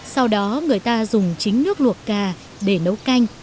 sau đó người ta dùng chính nước luộc cà để nấu canh